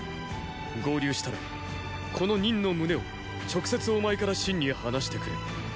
合流したらこの任の旨を直接お前から信に話してくれ。